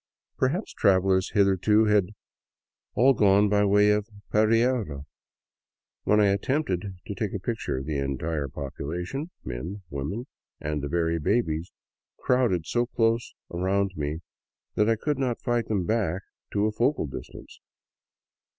Perhaps travelers hitherto had all gone by way of Pereira. When I attempted to take a picture, the entire population, men, women, and the very babies, crowded so close around me that I could not fight them back to a focal distance.